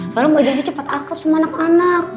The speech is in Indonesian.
soalnya mbak jessy cepet akrab sama anak anak